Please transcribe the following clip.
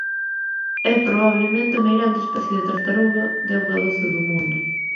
É probablemente a meirande especie de tartaruga de auga doce do mundo.